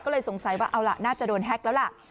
ก็เลยสงสัยว่าเอาล่ะน่าจะโดนแฮ็กแล้วล่ะ